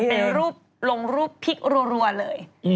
เป็นรูปลงรูปพลิกรัวเลย